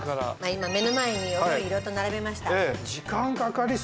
今目の前にお料理色々と並べました。